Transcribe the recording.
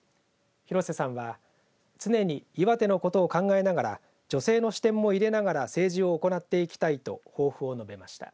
広瀬さんは常に岩手のことを考えながら女性の視点も入れながら政治を行っていきたいと抱負を述べました。